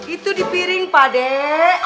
itu di piring pak dek